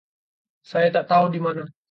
Saya tak tahu di mana.